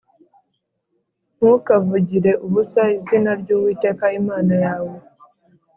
Ntukavugire ubusa izina ry Uwiteka Imana yawe.